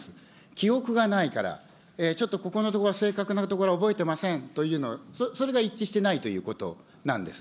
記憶がないから、ちょっとここのところは正確なところは覚えてませんというのは、それが一致してないということなんです。